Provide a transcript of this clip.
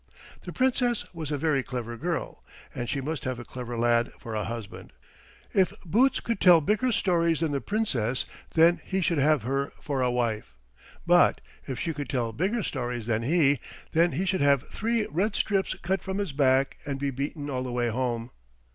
The Princess was a very clever girl, and she must have a clever lad for a husband. If Boots could tell bigger stories than the Princess then he should have her for a wife, but if she could tell bigger stories than he, then he should have three red strips cut from his back and be beaten all the way home.